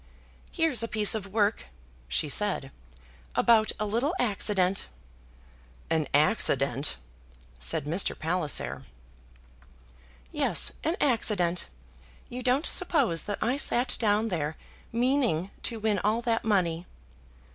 "Here's a piece of work," she said, "about a little accident." "An accident!" said Mr. Palliser. "Yes, an accident. You don't suppose that I sat down there meaning to win all that money?"